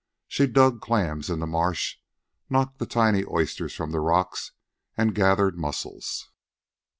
She dug clams in the marsh, knocked the tiny oysters from the rocks, and gathered mussels.